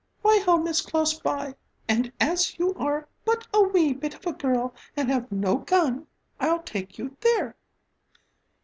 "My home is close by and as you are but a wee bit of a girl and have no gun, I'll take you there."